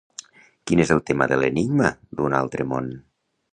Quin és el tema de L'enigma d'un altre món?